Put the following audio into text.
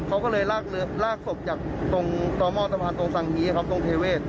เขาก็เลยลากเลือกลากศพจากตรงตอหมอสะพานตรงสังฮีอะครับตรงเทเวศ